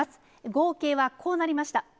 合計はこうなりました。